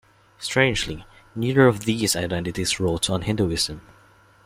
Strangely, neither of these identities wrote on Hinduism.